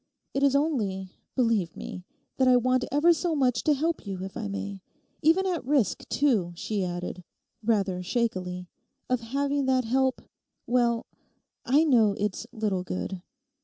It is only, believe me, that I want ever so much to help you, if I may—even at risk, too,' she added, rather shakily, 'of having that help—well—I know it's little good.